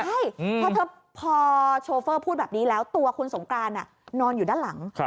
ใช่เพราะเธอพอโชเฟอร์พูดแบบนี้แล้วตัวคุณสงกรานนอนอยู่ด้านหลัง